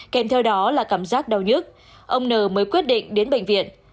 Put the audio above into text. kèm theo đó là cảm giác đau nhất ông n mới quyết định đến bệnh viện